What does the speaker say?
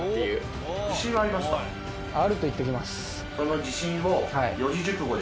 その自信を。